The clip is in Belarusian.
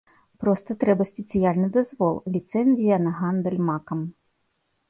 Проста трэба спецыяльны дазвол, ліцэнзія на гандаль макам.